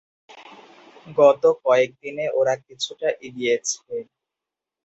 গত কয়েক দিনে ওরা কিছুটা এগিয়েছে।